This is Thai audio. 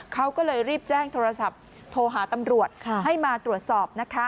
เขาก็เลยรีบแจ้งโทรศัพท์โทรหาตำรวจให้มาตรวจสอบนะคะ